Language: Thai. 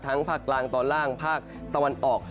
ภาคกลางตอนล่างภาคตะวันออก